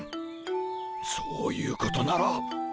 そういうことなら。